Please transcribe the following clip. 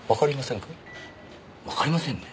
わかりませんね。